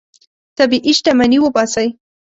طبیعي شتمني وباسئ.